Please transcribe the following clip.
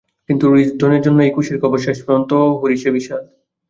কিন্তু রিসডনের জন্য এই খুশির খবর শেষ পর্যন্ত হরিষে বিষাদ।